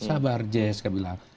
sabar jessica bilang